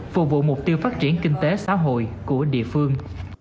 phục vụ mục tiêu phát triển kinh tế xã hội của địa phương